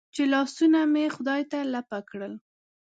چې لاسونه مې خدای ته لپه کړل.